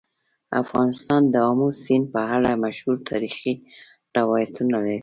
افغانستان د آمو سیند په اړه مشهور تاریخی روایتونه لري.